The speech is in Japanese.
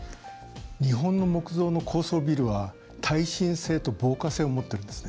日本の木造の高層ビルは耐震性と防火性を持っているんですね。